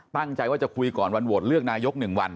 ตั้งใจว่าจะคุยก่อนวันโหวตเลือกนายก๑วัน